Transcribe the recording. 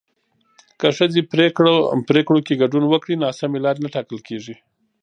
که ښځې پرېکړو کې ګډون وکړي، ناسمې لارې نه ټاکل کېږي.